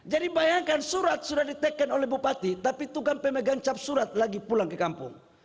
jadi bayangkan surat sudah diteken oleh bupati tapi tugang pemegang cap surat lagi pulang ke kampung